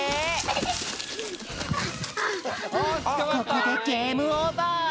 ここでゲームオーバー。